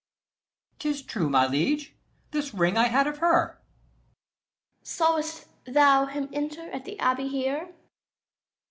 Ant. E. 'Tis true, my liege; this ring I had of her. Duke. Saw'st thou him enter at the abbey here?